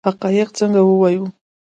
حقایق څنګه ووایو؟